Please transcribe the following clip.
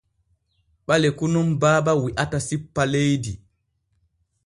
Ɓaleku nun Baaba wi’ata sippa leydi.